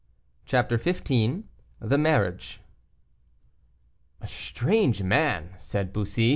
CHAPTER XV. THE MARRIAGE. "A strange man," said Bussy.